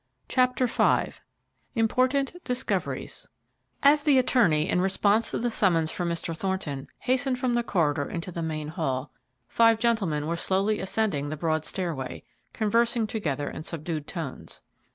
CHAPTER V IMPORTANT DISCOVERIES As the attorney, in response to the summons from Mr. Thornton, hastened from the corridor into the main hall, five gentlemen were slowly ascending the broad stairway, conversing together in subdued tones.